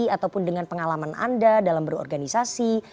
ataupun dengan pengalaman anda dalam berorganisasi